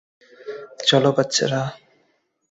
চলো, বাচ্চারা?